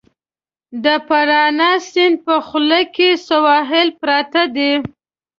د پارانا سیند په خوله کې سواحل پراته دي.